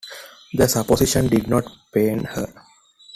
The supposition did not pain her.